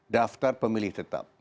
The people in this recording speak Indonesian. daftar pemilih tetap